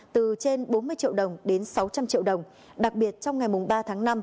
từ trên bốn mươi triệu đồng đến sáu trăm linh triệu đồng đặc biệt trong ngày ba tháng năm